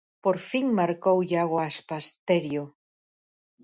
Por fin marcou Iago Aspas, Terio.